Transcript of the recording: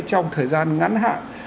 trong thời gian ngắn hạn